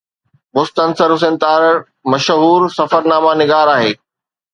مستنصر حسين تارڙ مشهور سفرناما نگار آهي.